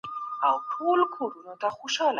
که مرګ نه وای نو ژوند به سخت و.